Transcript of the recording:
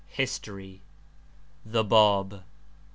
47 History THE BAB.